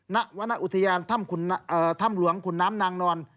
ณวรรณอุทยานถ้ำหลวงขุนน้ำนางนอน